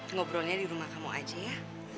ngobrolnya di rumah kamu aja ya